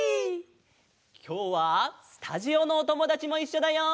きょうはスタジオのおともだちもいっしょだよ！